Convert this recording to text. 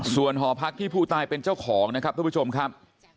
ส่วนหอพักที่ผู้ตายเป็นเจ้าของนะครับทุกผู้ชมครับ